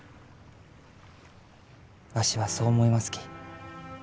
わしはそう思いますき。